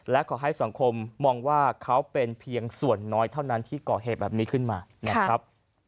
และขอให้สังคมมองว่าเขาเป็นเพียงส่วนน้อยเท่านั้นที่ก่อเหตุแบบนี้ขึ้นมานะครับ